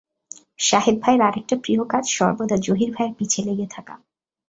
শাহেদ ভাইয়ের আরেকটা প্রিয় কাজ সর্বদা জহির ভাইয়ের পিছে লেগে থাকা।